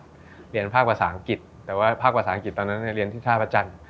เรียนภาคภาษาอังกฤษแต่ว่าภาคภาษาอังกฤษตอนนั้นเรียนที่ท่าพระจันทร์